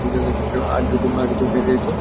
আর যদি হেরে যাই তো?